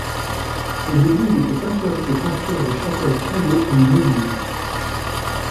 Au début il était interdit de construire des chapelles privées ou une église.